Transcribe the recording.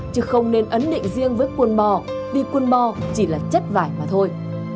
chứ không nên ấn định riêng với quần bò vì quần bò chỉ là chất vải mà thôi